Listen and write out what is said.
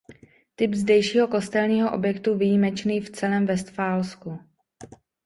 Typ zdejšího kostelního objektu výjimečný v celém Vestfálsku.